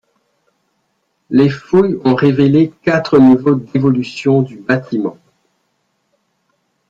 Les fouilles ont révélés quatre niveaux d'évolution du bâtiment.